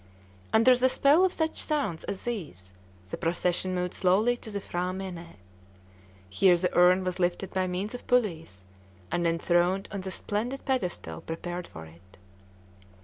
Under the spell of such sounds as these the procession moved slowly to the P'hra mène. Here the urn was lifted by means of pulleys, and enthroned on the splendid pedestal prepared for it.